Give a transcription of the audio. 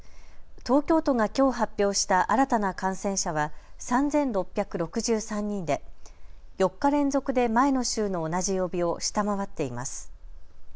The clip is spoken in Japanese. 東京都がきょう発表した新たな感染者は３６６３人で４日連続で前の週の同じ曜日を下回っています。